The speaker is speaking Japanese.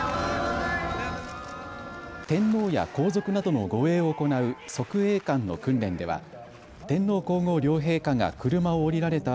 天皇や皇族などの護衛を行う側衛官の訓練では天皇皇后両陛下が車を降りられた